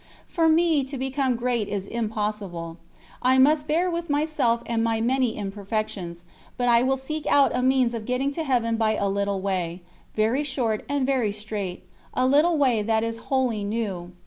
For me to become great is impossible. I must bear with myself and my many imperfections; but I will seek out a means of getting to Heaven by a little way very short and very straight, a little way that is wholly new.